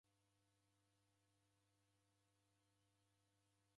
Akae ni m'w'ongeri.